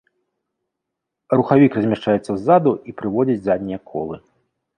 Рухавік размяшчаецца ззаду і прыводзіць заднія колы.